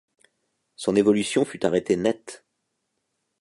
Son évolution fut arrêtée net.